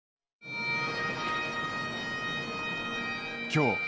きょう。